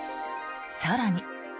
更に。